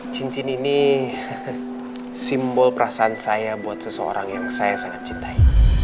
cincin ini simbol perasaan saya buat seseorang yang saya sangat cintai